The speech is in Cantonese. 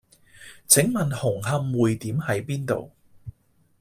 請問紅磡薈點喺邊度？